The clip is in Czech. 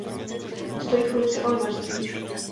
Stojí v ulici Oliver Street.